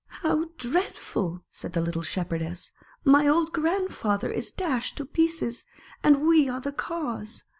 " How dreadful !" said the little Shep herdess. " My old grandfather is dashed to pieces, and we are the cause.